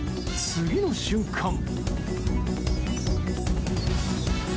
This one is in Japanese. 次の瞬間。